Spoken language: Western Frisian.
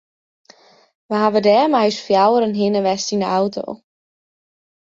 We hawwe dêr mei ús fjouweren hinne west yn de auto.